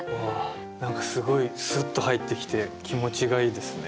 何かすごいスッと入ってきて気持ちがいいですね。